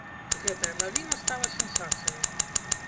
Гэтая навіна стала сенсацыяй.